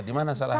di mana salahnya